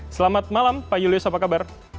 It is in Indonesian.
selamat malam pak julius apa kabar